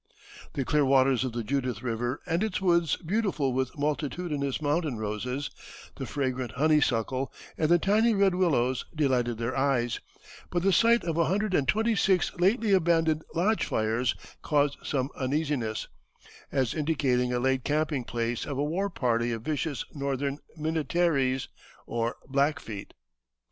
The clear waters of the Judith River and its woods beautiful with multitudinous mountain roses, the fragrant honeysuckle, and the tiny red willows delighted their eyes; but the sight of a hundred and twenty six lately abandoned lodge fires caused some uneasiness, as indicating a late camping place of a war party of vicious northern Minnetarees or Blackfeet.